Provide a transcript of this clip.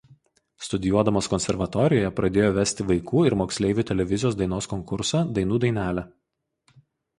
Studijuodamas konservatorijoje pradėjo vesti vaikų ir moksleivių televizijos dainos konkursą „Dainų dainelė“.